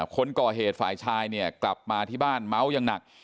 คนก่อเหตุฝ่ายชายเนี่ยกลับมาที่บ้านเมาส์อย่างหนัก